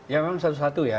ya memang satu satu ya